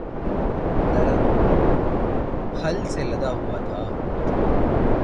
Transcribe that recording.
درخت پھل سے لدا ہوا تھا